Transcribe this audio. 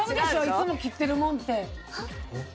いつも切ってるもんって。